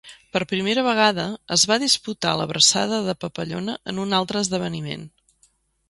Per primera vegada, es va disputar la braçada de papallona en un altre esdeveniment.